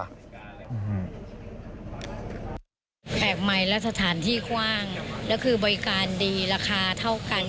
แปลกใหม่และสถานที่คว่างแล้วคือบริการดีราคาเท่ากัน